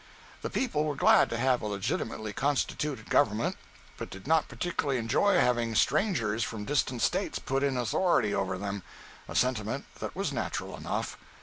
The people were glad to have a legitimately constituted government, but did not particularly enjoy having strangers from distant States put in authority over them—a sentiment that was natural enough.